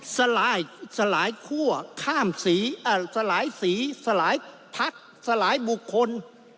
สลายคั่วข้ามสีสลายสีสลายพักสลายบุคคล